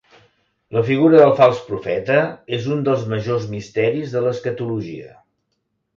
La figura del Fals Profeta és un dels majors misteris de l'escatologia.